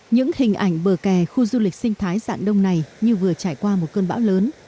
những hình ảnh bờ kè khu du lịch sinh thái dạng đông này như vừa trải qua một cơn bão lớn